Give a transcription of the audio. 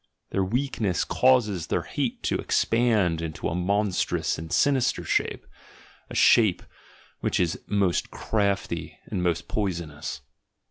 Their weakness causes their hate to expand into a monstrous and sinister shape, a shape which is most crafty and most poisonous.